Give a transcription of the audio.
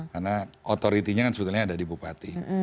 karena authority nya kan sebetulnya ada di bupati